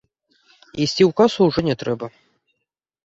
І ісці ў касу ўжо не трэба.